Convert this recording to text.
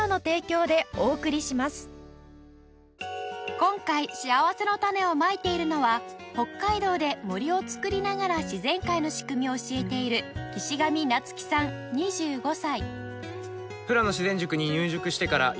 今回しあわせのたねをまいているのは北海道で森を作りながら自然界の仕組みを教えている岸上夏樹さん２５歳